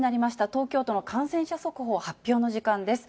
東京都の感染者速報発表の時間です。